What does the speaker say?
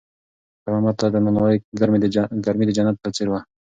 خیر محمد ته د نانوایۍ ګرمي د جنت په څېر وه.